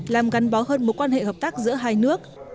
làm gắn bó hơn mối quan hệ hợp tác giữa hai nước